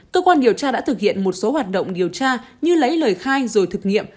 cơ quan điều tra đã thực hiện một số hoạt động điều tra như lấy lời khai rồi thực nghiệm